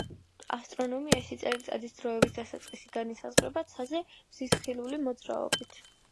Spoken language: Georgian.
ასტრონომიაში წელიწადის დროების დასაწყისი განისაზღვრება ცაზე მზის ხილული მოძრაობით.